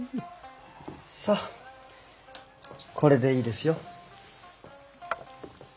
さあこれでいいですよ。ありがと。